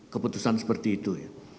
keputusan seperti itu